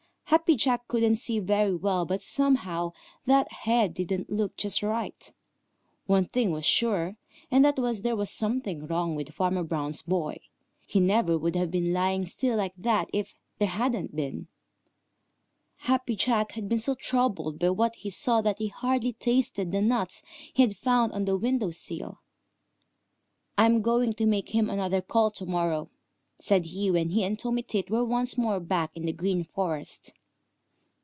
Happy Jack couldn't see very well, but somehow that head didn't look just right. One thing was sure, and that was there was something wrong with Farmer Brown's boy. He never would have been lying still like that if there hadn't been. Happy Jack had been so troubled by what he saw that he had hardly tasted the nuts he had found on the window sill. "I am going to make him another call to morrow," said he when he and Tommy Tit were once more back in the Green Forest.